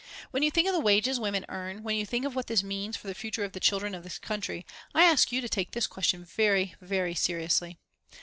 When you think of the wages women earn, when you think of what this means to the future of the children of this country, I ask you to take this question very, very seriously.